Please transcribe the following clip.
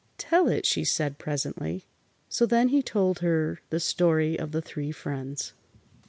"Tell it," she said, presently. So then he told her the story of the three friends.